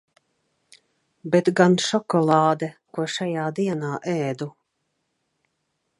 Bet gan šokolāde, ko šajā dienā ēdu.